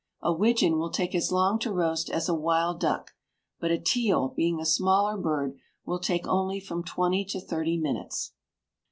A widgeon will take as long to roast as a wild duck, but a teal, being a smaller bird, will take only from twenty to thirty minutes.